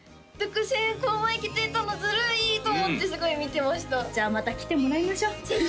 この前来ていたのずるいと思ってすごい見てましたじゃあまた来てもらいましょうぜひ！